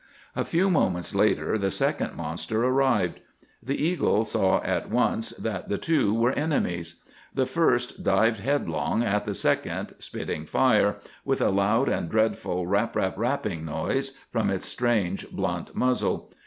A few moments later the second monster arrived. The eagle saw at once that the two were enemies. The first dived headlong at the second, spitting fire, with a loud and dreadful rap rap rapping noise, from its strange blunt muzzle.